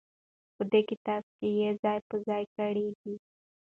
په دې کتاب کې يې ځاى په ځاى کړي دي.